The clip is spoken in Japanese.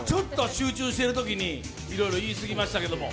集中してるときにいろいろ言い過ぎましたけども。